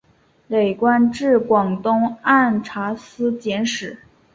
累官至广东按察司佥事。